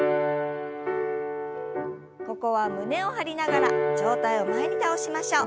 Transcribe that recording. ここは胸を張りながら上体を前に倒しましょう。